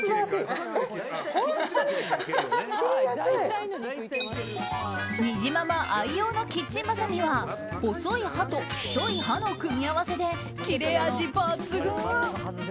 本当に切りやすい！にじまま愛用のキッチンばさみは細い刃と太い刃の組み合わせで切れ味抜群。